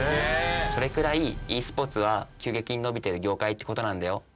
それくらいｅスポーツは急激に伸びてる業界ってことなんだよ。